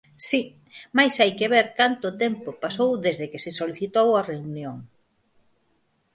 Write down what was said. Si, mais hai que ver canto tempo pasou desde que se solicitou a reunión.